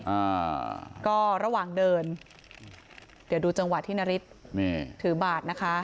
อ่าก็ระหว่างเดินเดี๋ยวดูจังหวะที่นฤทธิ์นี่ถือบาทนะคะ